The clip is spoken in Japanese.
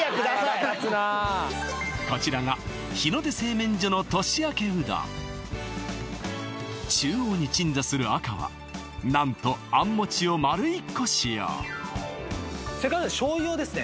腹立つなこちらが日の出製麺所の年明けうどん中央に鎮座する赤は何とあん餅を丸一個使用せっかくなので醤油をですね